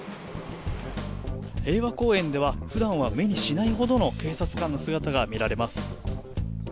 平和公園では普段は目にしないほどの警察官の姿が見られます。